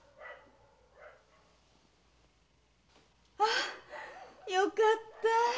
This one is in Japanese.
あよかったぁ。